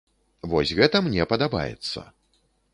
Вось гэта мне падабаецца.